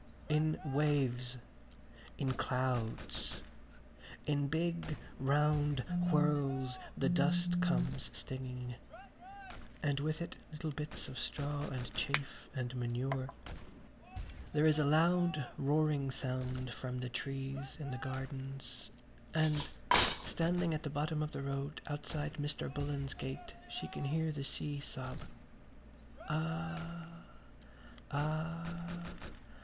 In waves, in clouds, in big round whirls the dust comes stinging, and with it little bits of straw and chaff and manure. There is a loud roaring sound from the trees in the gardens, and standing at the bottom of the road outside Mr. Bullen's gate she can hear the sea sob: "Ah! ... Ah!